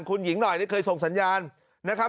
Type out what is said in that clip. คุณหญิงหน่อยได้เคยส่งสัญญาณนะครับ